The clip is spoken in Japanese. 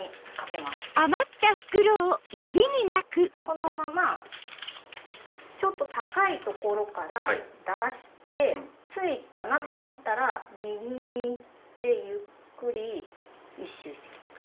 このままちょっと高い所から出してついたと思ったら右に行ってゆっくり１周して来ます。